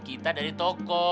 kita dari toko